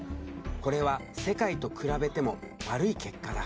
これは世界と比べても悪い結果だ。